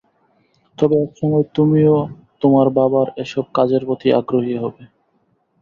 তবে একসময় তুমিও তোমার বাবার এসব কাজের প্রতি আগ্রহী হবে।